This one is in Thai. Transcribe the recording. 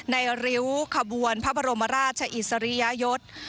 ริ้วขบวนพระบรมราชอิสริยยศ